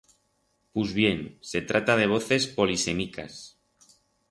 Pus bien, se trata de voces polisemicas.